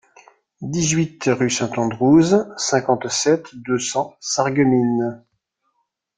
dix-huit rue St Andrews, cinquante-sept, deux cents, Sarreguemines